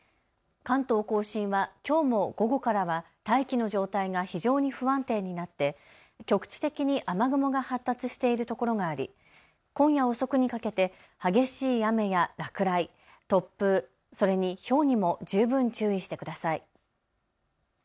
関東甲信はきょうも午後からは大気の状態が非常に不安定になって局地的に雨雲が発達しているところがあり、今夜遅くにかけて激しい雨や落雷、突風、それにひょうにも十分注意してください。